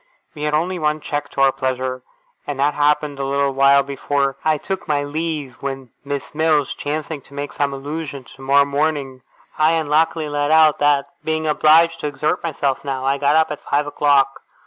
We had only one check to our pleasure, and that happened a little while before I took my leave, when, Miss Mills chancing to make some allusion to tomorrow morning, I unluckily let out that, being obliged to exert myself now, I got up at five o'clock.